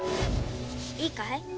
「いいかい？